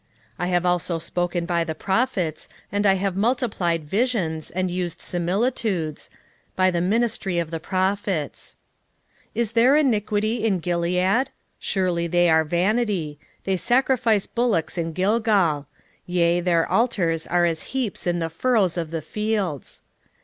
12:10 I have also spoken by the prophets, and I have multiplied visions, and used similitudes, by the ministry of the prophets. 12:11 Is there iniquity in Gilead? surely they are vanity: they sacrifice bullocks in Gilgal; yea, their altars are as heaps in the furrows of the fields.